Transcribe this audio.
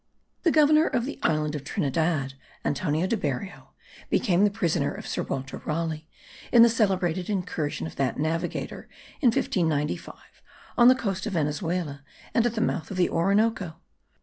The Governor of the island of Trinidad, Antonio de Berrio, became the prisoner of Sir Walter Raleigh in the celebrated incursion of that navigator, in 1595, on the coast of Venezuela and at the mouths of the Orinoco.